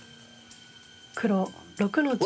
黒６の十。